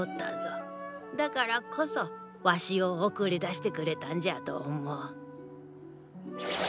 だからこそワシを送り出してくれたんじゃと思う。